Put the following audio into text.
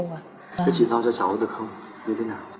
cái chị lo cho cháu được không